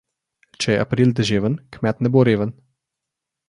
Če je april deževen, kmet ne bo reven.